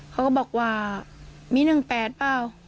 เขาก็บอกว่ามี๑๘เปล่า